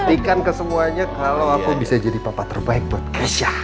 makanya kalau aku bisa jadi papa terbaik buat keisha